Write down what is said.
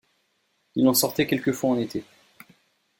Il en sortait quelquefois en été.